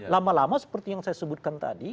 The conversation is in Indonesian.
lama lama seperti yang saya sebutkan tadi